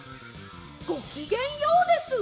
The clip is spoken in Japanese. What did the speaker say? ごきげんＹＯです！